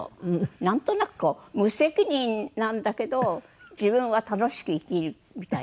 なんとなく無責任なんだけど自分は楽しく生きるみたいな。